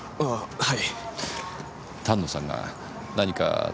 はい。